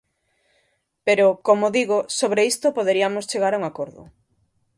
Pero, como digo, sobre isto poderiamos chegar a un acordo.